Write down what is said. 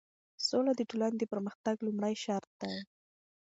سوله د ټولنې د پرمختګ لومړی شرط دی.